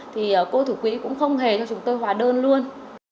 thì cô thủ quỹ cũng không hề cho chúng tôi hóa đơn luôn